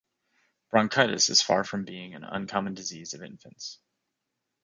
Bronchitis is far from being an uncommon disease of infants.